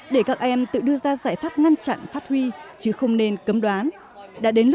để các em tự đưa ra giải pháp ngăn chặn phát huy chứ không nên cấm đoán